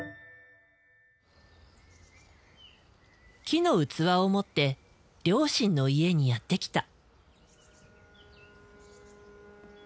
木の器を持って両親の家にやって来た。